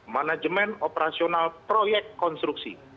manajemen operasional proyek konstruksi